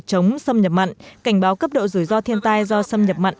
chống xâm nhập mặn cảnh báo cấp độ rủi ro thiên tai do xâm nhập mặn